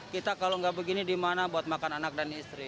kita kalau nggak begini di mana buat makan anak dan istri